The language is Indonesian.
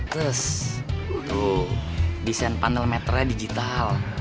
terus desain panel meternya digital